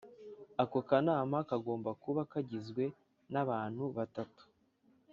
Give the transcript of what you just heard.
Ako kanama kagomba kuba kagizwe n abantu batatu